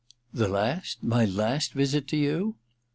* The last — my last visit to you